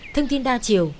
thông tin đa chiều